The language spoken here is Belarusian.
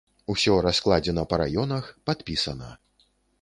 Усё раскладзена па раёнах, падпісана.